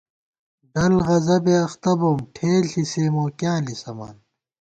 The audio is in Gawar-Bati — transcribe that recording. ڈل غضبےاختہ بوم ٹھېل ݪی سےمو کیاں لِسَمان